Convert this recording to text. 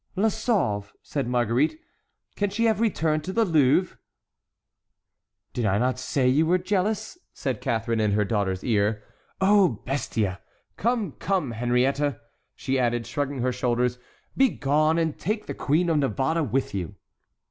"La Sauve," said Marguerite; "can she have returned to the Louvre?" "Did I not say you were jealous?" said Catharine, in her daughter's ear. "Oh, bestia! Come, come, Henriette," she added, shrugging her shoulders, "begone, and take the Queen of Navarre with you."